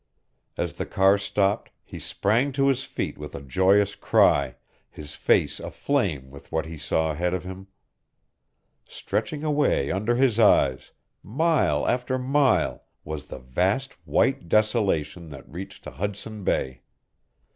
As the car stopped he sprang to his feet with a joyous cry, his face aflame with what he saw ahead of him. Stretching away under his eyes, mile after mile, was the vast white desolation that reached to Hudson Bay.